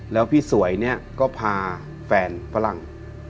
แล้วพี่สวยเนี่ยก็พาแฟนฝรั่ง